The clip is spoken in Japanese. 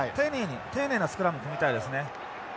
丁寧なスクラムを組みたいですね。